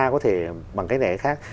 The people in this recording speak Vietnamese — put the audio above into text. có thể bằng cách này hay cách khác